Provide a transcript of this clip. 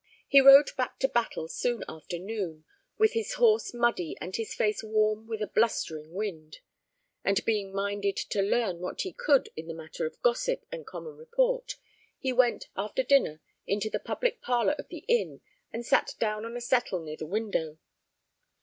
He rode back to Battle soon after noon, with his horse muddy and his face warm with a blustering wind. And being minded to learn what he could in the matter of gossip and common report, he went, after dinner, into the public parlor of the inn and sat down on a settle near the window.